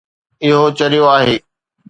اهو چريو آهي